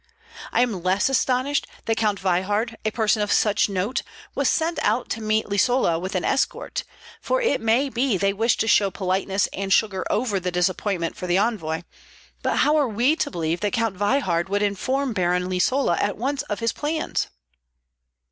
I am less astonished that Count Veyhard, a person of such note, was sent out to meet Lisola with an escort, for it may be they wished to show politeness and sugar over the disappointment for the envoy; but how are we to believe that Count Veyhard would inform Baron Lisola at once of his plans."